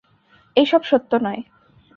এই সব সত্য নয়।